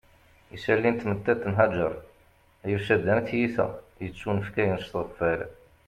Isalli n tmettant n Haǧer yusa-aɣ-d am tiyita yettunefkayen s tɣeffal